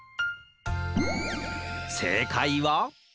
せいかいは？